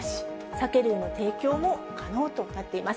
酒類の提供も可能となっています。